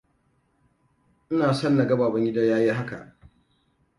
Ina son na ga Babangida ya yi haka.